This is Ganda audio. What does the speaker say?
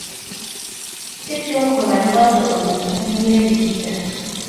Ki ky'okola nga ggwe omukuumi w'ebibira?